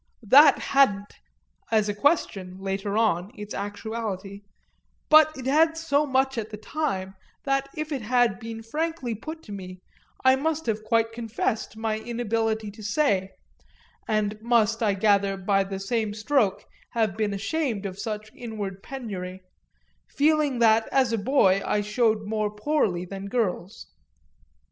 That hadn't, as a question, later on, its actuality; but it had so much at the time that if it had been frankly put to me I must have quite confessed my inability to say and must, I gather, by the same stroke, have been ashamed of such inward penury; feeling that as a boy I showed more poorly than girls.